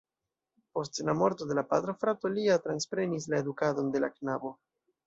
Post la morto de la patro frato lia transprenis la edukadon de la knabo.